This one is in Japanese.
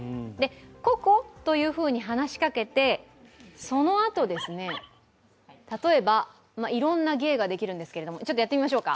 「ココ」というふうに話しかけてそのあとですね例えばいろんな芸ができるんですが、ちょっとやってみましょうか。